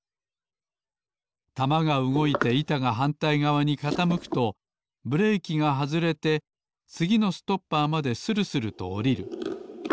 玉がうごいていたがはんたいがわにかたむくとブレーキがはずれてつぎのストッパーまでするするとおりる。